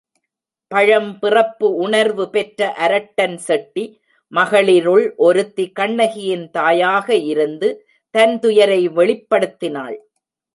பழம் பிறப்பு உணர்வு பெற்ற அரட்டன் செட்டி மகளிருள் ஒருத்தி கண்ணகியின் தாயாக இருந்து தன்துயரை வெளிப்படுத்தினாள்.